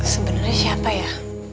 sebenernya siapa ya